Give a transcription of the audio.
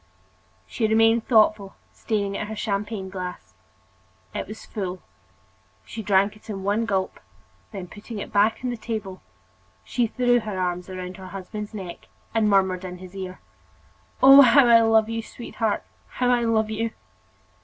She remained thoughtful, staring at her champagne glass. It was full —she drank it in one gulp; then putting it back on the table, she threw her arms around her husband's neck and murmured in his ear: "Oh! how I love you, sweetheart! how I love you!"